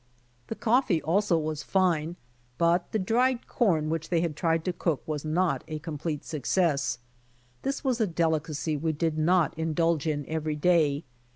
44 BY ox TEAM TO CALIFORNIA The coffee also vruB fine, but the dried corn which they had tried to cook was not a complete success; This was a delicacy we did not indulge in every day.